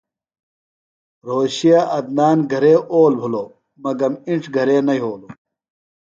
رھوشے عدنان گھرے اول بِھلوۡ۔ مگم اِنڇ گھرے نہ یھولوۡ۔